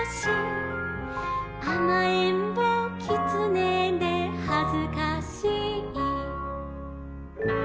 「あまえんぼキツネではずかしい」